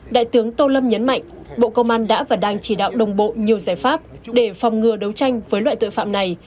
đại tướng tô lâm nhấn mạnh bộ công an đã và đang chỉ đạo đồng bộ nhiều giải pháp để phòng ngừa đấu tranh với loại tội phạm này